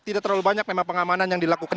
tidak terlalu banyak memang pengamanan yang dilakukan